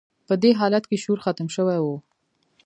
په دې حالت کې شعور ختم شوی و